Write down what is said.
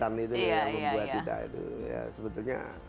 itu yang membuat kita itu ya sebetulnya